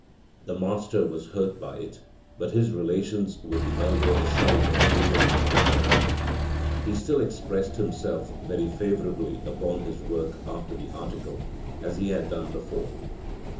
The master was hurt by it, but his relations with the elder Scheibe remained unaffected; he still expressed himself very favourably upon his work after the article, as he had done before.